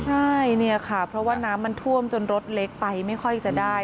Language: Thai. ใช่เนี่ยค่ะเพราะว่าน้ำมันท่วมจนรถเล็กไปไม่ค่อยจะได้